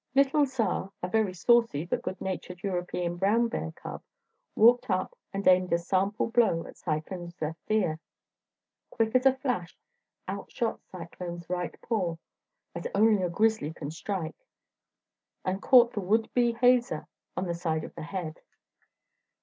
Little Czar, a very saucy but good natured European brown bear cub, walked up and aimed a sample blow at Cyclone's left ear. Quick as a flash out shot Cyclone's right paw, as only a grizzly can strike, and caught the would be hazer on the side of the head.